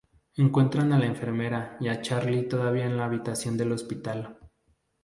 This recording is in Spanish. Encuentran a la enfermera y a Charlie todavía en la habitación del hospital.